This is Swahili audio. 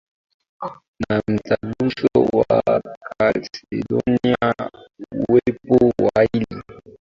na Mtaguso wa Kalsedonia uwepo wa hali mbili ya Kimungu na ya